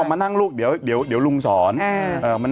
เขาอยากทำ